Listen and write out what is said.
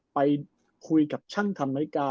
ไปคุยกับช่างทำนาฬิกา